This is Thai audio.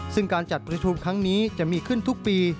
ซึ่งการจัดประชุมครั้งนี้จะมีขึ้นทุกปี